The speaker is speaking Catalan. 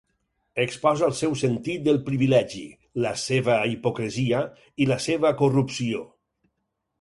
Exposa el seu sentit del privilegi, la seva hipocresia i la seva corrupció.